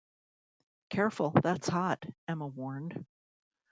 "Careful, that's hot," Emma warned